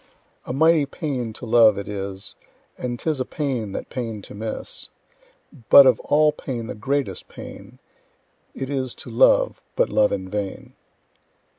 A mighty pain to love it is, And'tis a pain that pain to miss; But of all pain the greatest pain, It is to love, but love in vain.